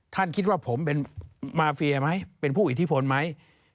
ท่านคิดว่าผมเป็นมาเฟียไหมเป็นผู้อิทธิพลไหม